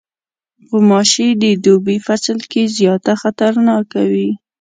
غوماشې د دوبی فصل کې زیاته خطرناکې وي.